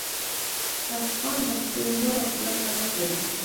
افغان د خپلې مور او پلار قدر کوي.